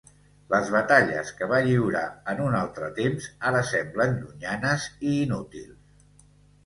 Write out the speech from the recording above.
Les batalles que va lliurar en un altre temps ara semblen llunyanes i inútils.